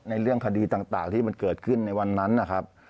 เรื่องคดีต่างที่มันเกิดขึ้นในวันนั้นนะครับ